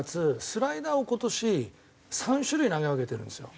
スライダーを今年３種類投げ分けてるんですよ。